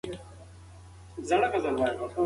د روح سکون یوازې او یوازې د الله په یاد کې دی.